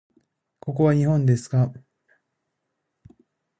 ここは日本ですか？